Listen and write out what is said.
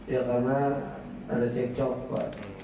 ya karena ada cekcok pak